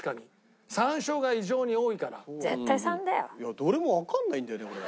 どれもわかんないんだよね。